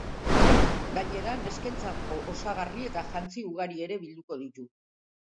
Gainera, neskentzako osagarri eta jantzi ugari ere bilduko ditu.